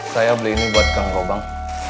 saya beli ini buat kang gobang